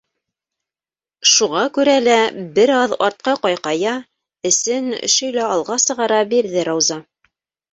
Шуға күрә лә бер аҙ артҡа ҡайҡая, эсен шөйлә алға сығара бирҙе Рауза.